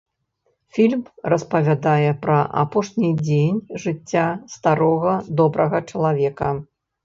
Фільм распавядае пра апошні дзень жыцця старога добрага чалавека.